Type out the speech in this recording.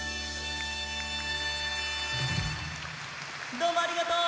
どうもありがとう！